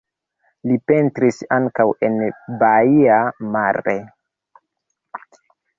Li pentris ankaŭ en Baia Mare.